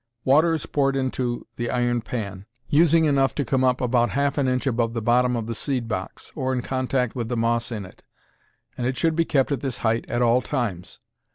Water is poured into the iron pan, using enough to come up about half an inch above the bottom of the seed box, or in contact with the moss in it, and it should be kept at this height at all times.